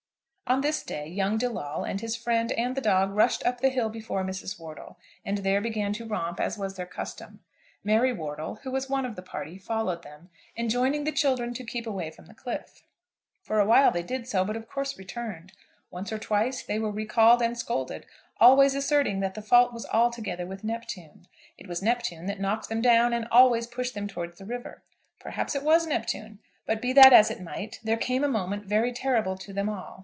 On this day young De Lawle and his friend and the dog rushed up the hill before Mrs. Wortle, and there began to romp, as was their custom. Mary Wortle, who was one of the party, followed them, enjoining the children to keep away from the cliff. For a while they did so, but of course returned. Once or twice they were recalled and scolded, always asserting that the fault was altogether with Neptune. It was Neptune that knocked them down and always pushed them towards the river. Perhaps it was Neptune; but be that as it might, there came a moment very terrible to them all.